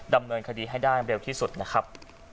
ดำเนินคดีให้ได้เร็วที่สุดนะครับ